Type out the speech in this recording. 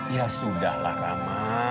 ya sudah lah rama